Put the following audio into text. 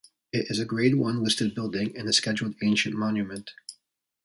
It is a Grade One listed building and a Scheduled Ancient Monument.